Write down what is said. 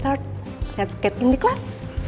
mari kita ke kelas